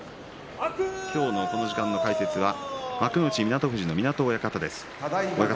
今日のこの時間の解説は幕内湊富士の湊親方です。